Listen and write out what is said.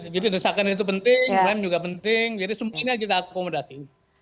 jadi desakan itu penting klaim juga penting jadi semuanya kita akomodasi